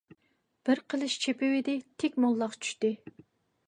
بىر قىلىچ چېپىۋىدى، تىك موللاق چۈشتى.